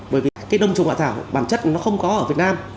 bởi vì cái đông trùng hạ thảo bản chất nó không có ở việt nam